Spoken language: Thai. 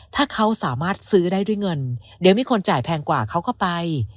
ถ้าเขาสามารถซื้อได้ด้วยเงินเดี๋ยวมีคนจ่ายแพงกว่าเขาก็ไป